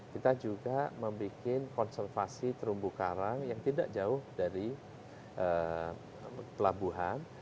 kita juga membuat konservasi terumbu karang yang tidak jauh dari pelabuhan